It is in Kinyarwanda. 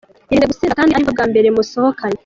Irinde gusinda kandi aribwo bwa mbere musohokanye.